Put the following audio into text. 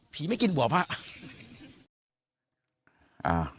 ผีไม่กินบวบฮะ